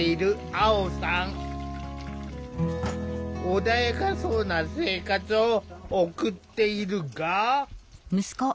穏やかそうな生活を送っているが。